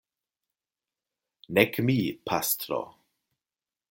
Nek mi, pastro.